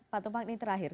pak taufang ini terakhir